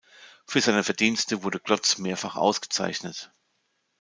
Für seine Verdienste wurde Klotz mehrfach ausgezeichnet.